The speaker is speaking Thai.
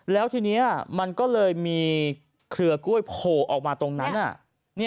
แล้วทีนี้มันก็เลยมีเครือกล้วยโผล่ออกมาตรงนั้น